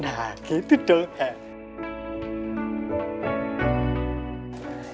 nah gitu dong